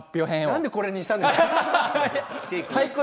なんでこの曲にしたんですか？